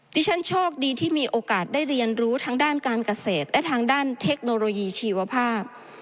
ที่ฉันโชคดีที่มีโอกาสได้เรียนรู้ทางด้านการเกษตรและทางด้านเทคโนโลยีชีวภาพ